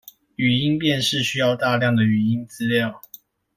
語音辨識需要大量的語音資料